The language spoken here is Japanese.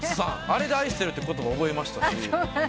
あれで愛してるって言葉覚えましたし。